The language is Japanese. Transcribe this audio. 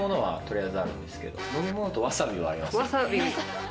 飲み物とわさびはあります。